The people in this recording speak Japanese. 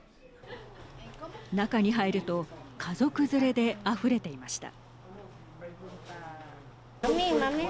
中に入ると家族連れであふれていました。